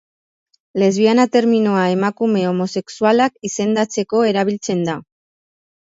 Lesbiana terminoa emakume homosexualak izendatzeko erabiltzen da.